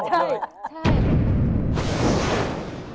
ใช่